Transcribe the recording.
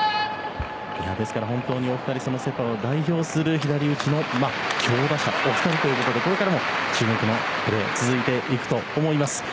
本当にお二人セ・パを代表する左打ちの強打者、お二人ということでこれからも注目のプレーが続いていくと思います。